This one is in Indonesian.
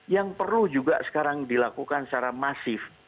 yang perlu juga sekarang dilakukan secara masif